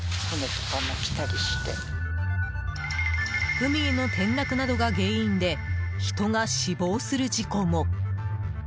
海への転落などが原因で人が死亡する事故も。